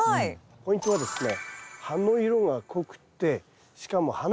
ポイントはですね